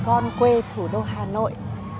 trong quê thủ đô hà nội